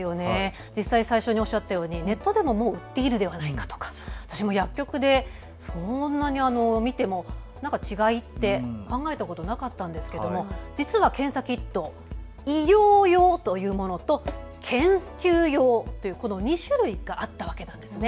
最初におっしゃったようにネットでももう売っているではないか薬局で見ても違いって考えたことなかったんですけれども検査キット、医療用というものと研究用、この２種類があったわけです。